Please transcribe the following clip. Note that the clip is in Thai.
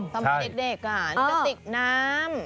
สำเร็จด้วยกันกระติกน้ำ